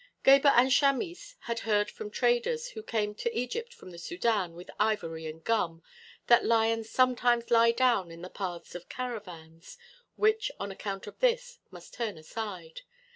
Gebhr and Chamis had heard from traders, who came to Egypt from the Sudân with ivory and gum, that lions sometimes lie down in the paths of caravans, which, on account of this, must turn aside.